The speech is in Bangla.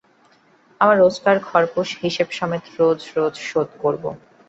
আমার রোজকার খোরপোশ হিসেবমত রোজ রোজ শোধ করব!